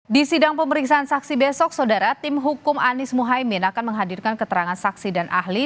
di sidang pemeriksaan saksi besok saudara tim hukum anies mohaimin akan menghadirkan keterangan saksi dan ahli